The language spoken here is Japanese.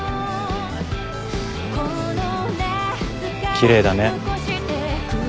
奇麗だね。